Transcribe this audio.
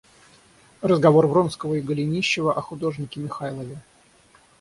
Разговор Вронского и Голенищева о художнике Михайлове.